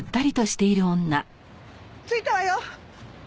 着いたわよ！